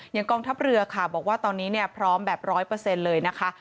อย่างกองทัพเรือค่ะบอกว่าตอนนี้พร้อมแบบร้อยเปอร์เซ็นต์เลยนะคะ